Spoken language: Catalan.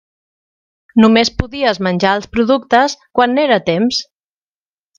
Només podies menjar els productes quan n'era temps.